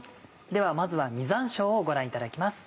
ではまずは実山椒をご覧いただきます。